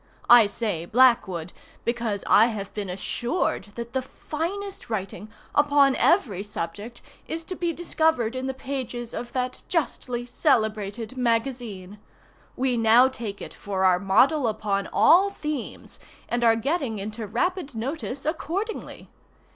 I say, Blackwood, because I have been assured that the finest writing, upon every subject, is to be discovered in the pages of that justly celebrated Magazine. We now take it for our model upon all themes, and are getting into rapid notice accordingly.